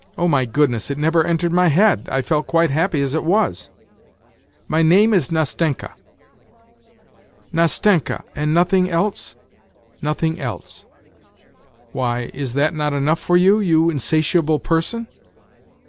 " Qh, my goodness J_ It never entered my head, I felt quite i happy as it was. ..."" My name is Nastenka." " Nastenka ! And nothing else ?"" Nothing else ! Why, is not that enough for you, you in satiable person